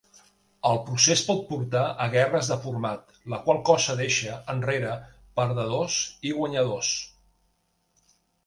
El procés pot portar a guerres de format, la qual cosa deixa enrere perdedors i guanyadors.